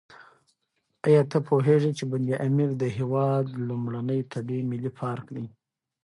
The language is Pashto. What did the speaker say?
ایا ته پوهېږې چې بند امیر د هېواد لومړنی طبیعي ملي پارک دی؟